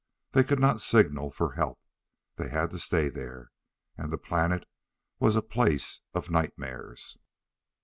They could not signal for help. They had to stay there. And the planet was a place of nightmares.